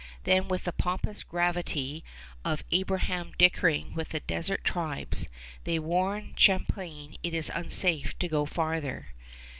Then with the pompous gravity of Abraham dickering with the desert tribes, they warn Champlain it is unsafe to go farther.